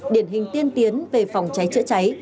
điển hình tiên tiến về phòng cháy chữa cháy